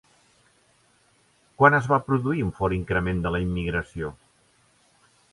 Quan es va produir un fort increment de la immigració?